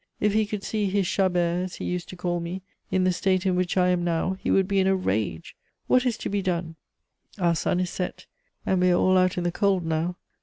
If he could see his Chabert, as he used to call me, in the state in which I am now, he would be in a rage! What is to be done? Our sun is set, and we are all out in the cold now.